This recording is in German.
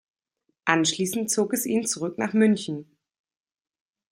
Anschließend zog es ihn zurück nach München.